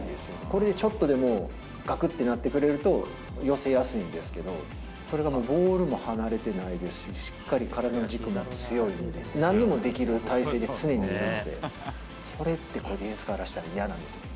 これでちょっとでもがくってなってくれると、寄せやすいんですけど、それがボールも離れてないですし、しっかり体の軸も強いんで、なんでもできる体勢で常にいるので、それってディフェンスからしたら嫌なんですよね。